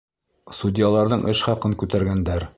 Судьяларҙың эш хаҡын күтәргәндәр.